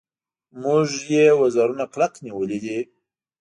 موږ یې وزرونه کلک نیولي دي.